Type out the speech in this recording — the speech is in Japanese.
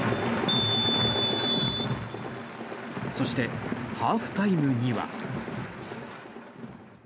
そしてハーフタイムには。